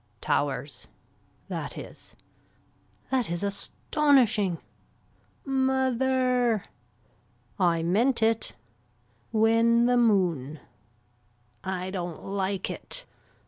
Towers. That is. That is astonishing. Mother. I meant it. When the moon. I don't like it.